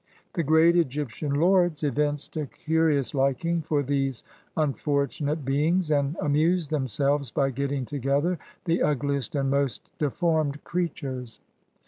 The great Egyptian lords evinced a curious liking for these unfortunate beings, and amused themselves by getting together the ugliest and most deformed creatures.